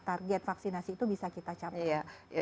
target vaksinasi itu bisa kita capai